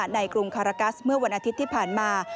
กรุงคารกัสเมื่อวันอาทิตย์ที่ผ่านมา